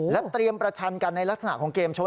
และเตรียมประชันกันในลักษณะของเกมชก